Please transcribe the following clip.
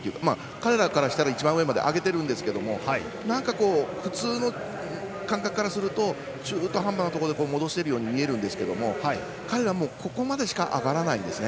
彼らからしたら一番上まで上げてるんですがなんか、普通の感覚からすると中途半端なところで戻してるように見えるんですが彼らはここまでしか上がらないんですね。